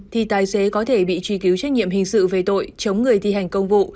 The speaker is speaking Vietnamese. thì tài xế có thể bị truy cứu trách nhiệm hình sự về tội chống người thi hành công vụ